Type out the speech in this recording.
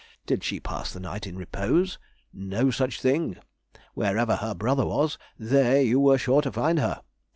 Did she pass the night in repose? No such thing: wherever her brother was, there you were sure to find her.